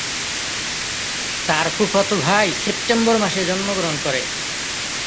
তার ফুফাতো ভাই সেপ্টেম্বর মাসে জন্মগ্রহণ করে।